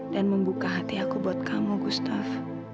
dan membuka hati aku buat kamu gustaf